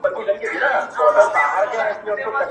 زه به ستا هېره که په یاد یم!